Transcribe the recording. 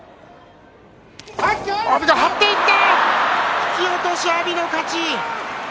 引き落とし、阿炎の勝ち。